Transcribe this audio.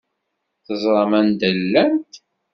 Teẓram anda llant?